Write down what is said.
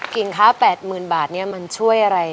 กิ่งค้าแปดหมื่นบาทเนี่ยมันช่วยอะไร